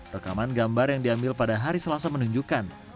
rekaman gambar yang diambil pada hari selasa menunjukkan